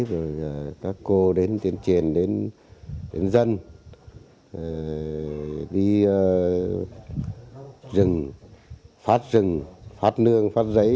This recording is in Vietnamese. rồi các cô đến tuyên truyền đến dân đi rừng phát rừng phát nương phát giấy